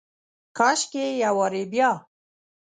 کاشکي یو وارې بیا،